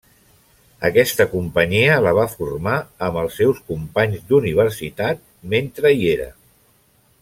Aquesta companyia la va formar amb els seus companys d'Universitat mentre hi era.